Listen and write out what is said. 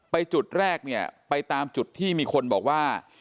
จุดแรกเนี่ยไปตามจุดที่มีคนบอกว่า